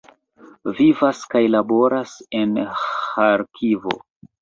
Vivas kaj laboras en Ĥarkivo.